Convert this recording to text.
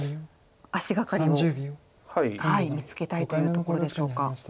見つけたいというところでしょうか。